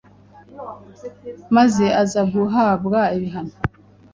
maze aza guhabwa ibihano